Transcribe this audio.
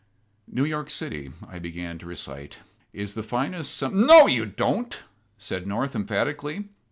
"New York City," I began to recite, "is the finest sum " "No, you don't," said North, emphatically.